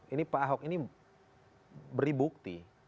ini pak ahok ini beri bukti